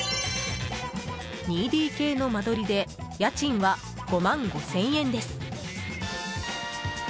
２ＤＫの間取りで家賃は５万５０００円です。